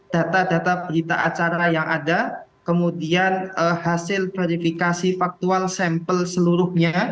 data data berita acara yang ada kemudian hasil verifikasi faktual sampel seluruhnya